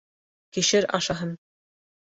— Кишер ашаһын...